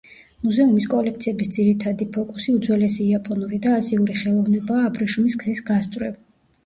მუზეუმის კოლექციების ძირითადი ფოკუსი უძველესი იაპონური და აზიური ხელოვნებაა აბრეშუმის გზის გასწვრივ.